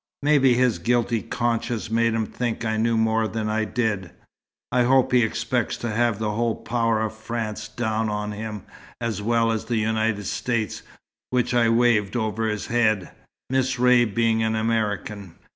Maybe his guilty conscience made him think I knew more than I did. I hope he expects to have the whole power of France down on him, as well as the United States, which I waved over his head, Miss Ray being an American.